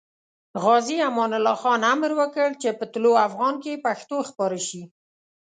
غازي امان الله خان امر وکړ چې په طلوع افغان کې پښتو خپاره شي.